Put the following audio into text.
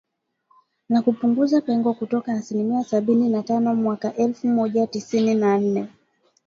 na kupunguza pengo kutoka asilimia sabini na tano mwaka elfu moja tisini na nne